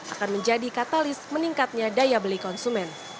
akan menjadi katalis meningkatnya daya beli konsumen